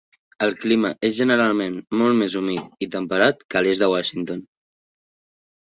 El clima és generalment molt més humit i temperat que l'est de Washington.